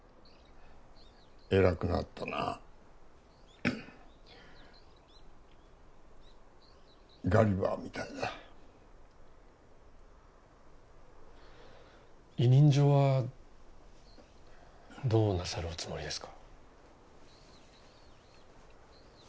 偉くなったなガリバーみたいだ委任状はどうなさるおつもりですか？